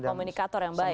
komunikator yang baik